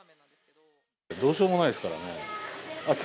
どうしようもないですからね。